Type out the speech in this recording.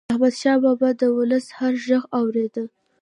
احمدشاه بابا به د ولس هر ږغ اورېده.